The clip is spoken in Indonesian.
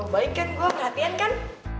baik kan gue latihan kan